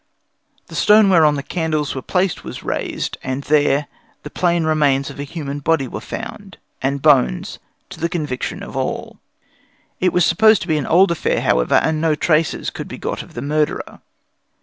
The stone whereon the candles were placed was raised, and there 'the plain remains of a human body were found, and bones, to the conviction of all.' It was supposed to be an old affair, however, and no traces could be got of the murderer.